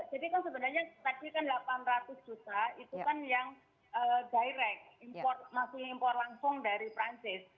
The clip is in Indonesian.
jadi kan sebenarnya tadi kan delapan ratus juta itu kan yang direct masih impor langsung dari perancis